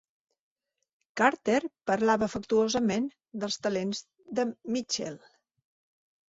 Carter parlava afectuosament dels talents de Mitchell.